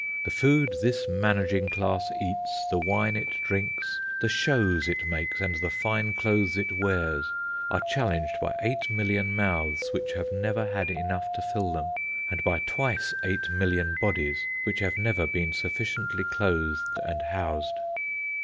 The food this managing class eats, the wine it drinks, the shows it makes, and the fine clothes it wears, are challenged by eight million mouths which have never had enough to fill them, and by twice eight million bodies which have never been sufficiently clothed and housed.